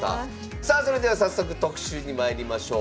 さあそれでは早速特集にまいりましょう。